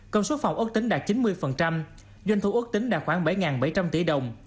công suất phòng ước tính đạt chín mươi doanh thu ước tính đạt khoảng bảy bảy trăm linh tỷ đồng